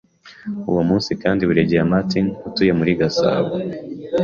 Uwo munsi kandi Buregeya Martin utuye muri Gasabo,